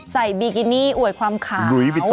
บีกินี่อวดความขาว